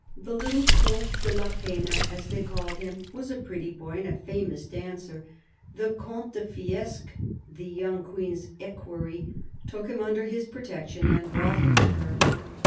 The little Comte de la Pena, as they called him, was a pretty boy and a famous dancer. The Comte de Fiesque, the young Queen's equerry, took him under his protection and brought him to her.